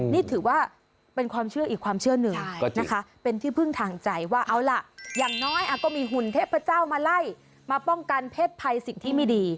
นี่ถือว่าเป็นความเชื่ออีกความเชื่อหนึ่งนะคะเป็นที่พึ่งทางใจว่าเอาล่ะอย่างน้อยก็มีหุ่นเทพเจ้ามาไล่มาป้องกันเพศภัยสิ่งที่ไม่ดี